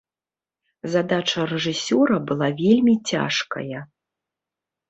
Задача рэжысёра была вельмі цяжкая.